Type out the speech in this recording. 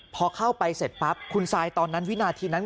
พอเข้าไปเสร็จปั๊บคุณซายตอนนั้นวินาทีนั้น